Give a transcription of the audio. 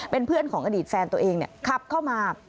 เป็นเพื่อนของอดีตแฟนตัวเองขับเข้ามา